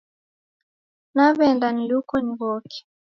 Naweenda niluko nighoke.